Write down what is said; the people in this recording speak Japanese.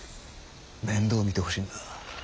面倒見てほしいんだ。